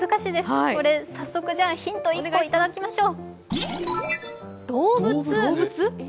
早速ヒント１個いただきましょう。